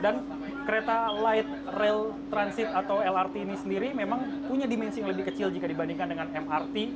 kereta light rail transit atau lrt ini sendiri memang punya dimensi yang lebih kecil jika dibandingkan dengan mrt